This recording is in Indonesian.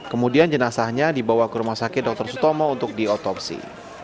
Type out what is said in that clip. kemudian jenazahnya dibawa ke rumah sakit dr sutomo untuk diotopsi